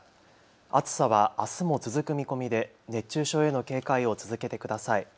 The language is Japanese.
暑さはあすも続く見込みで熱中症への警戒を続けてください。